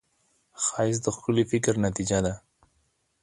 ښایست د ښکلي فکر نتیجه ده